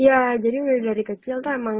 ya jadi dari kecil tuh emang